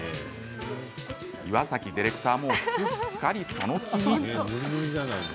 岩崎ディレクターもすっかりその気に。